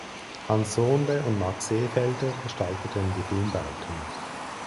Hans Sohnle und Max Seefelder gestalteten die Filmbauten.